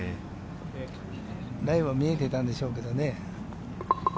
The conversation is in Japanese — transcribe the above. ラインは見えていたんでしょうけどね。